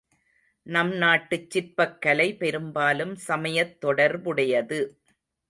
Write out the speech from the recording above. நம் நாட்டுச் சிற்பக் கலை பெரும்பாலும் சமயத் தொடர்புடையது.